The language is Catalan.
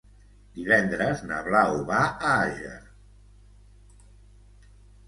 Divendres na Blau va a Àger.